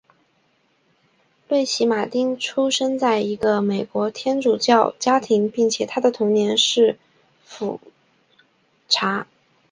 瑞奇马汀出生在一个罗马天主教的家庭并且在他的童年是位辅祭。